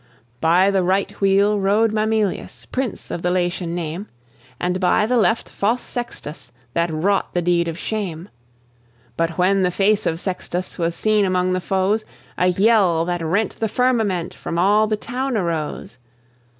By the right wheel rode Mamilius, Prince of the Latian name, And by the left false Sextus, That wrought the deed of shame. But when the face of Sextus Was seen among the foes, A yell that rent the firmament From all the town arose.